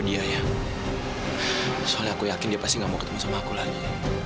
iya iya soalnya aku yakin dia pasti nggak mau ketemu sama aku lagi